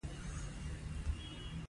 او په هغه يعني جنت كي به تل تلپاتي وي